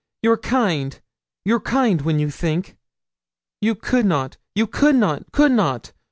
you're kind; you're kind when you think. You could not you could not could not!